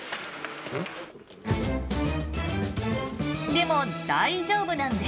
でも大丈夫なんです。